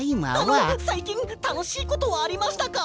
あのさいきんたのしいことはありましたか！？